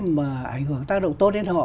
mà ảnh hưởng tác động tốt đến họ